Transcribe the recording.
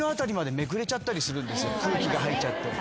空気が入っちゃって。